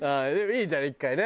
いいじゃん１回ね。